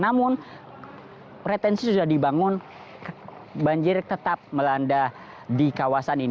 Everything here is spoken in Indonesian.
namun retensi sudah dibangun banjir tetap melanda di kawasan ini